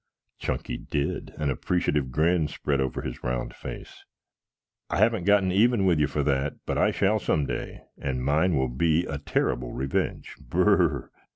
Chunky did. An appreciative grin spread over his round face. "I haven't got even with you for that, but I shall some day and mine will be a terrible revenge. Br r r!"